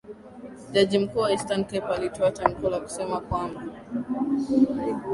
Jaji mkuu wa Eastern Cape alitoa tamko la kusema kwamba